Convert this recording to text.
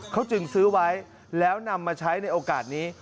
เขาจึงซื้อไว้แล้วนำมาใช้ในโอกาสนี้